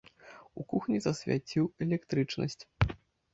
У кухні засвяціў электрычнасць.